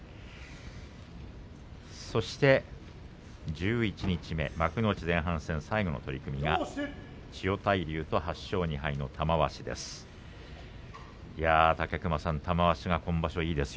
十一日目、幕内前半戦最後の取組が千代大龍と、８勝２敗の玉鷲です。